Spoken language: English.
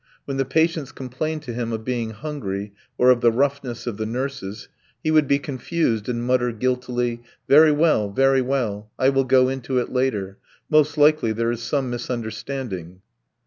When the patients complained to him of being hungry or of the roughness of the nurses, he would be confused and mutter guiltily: "Very well, very well, I will go into it later .... Most likely there is some misunderstanding.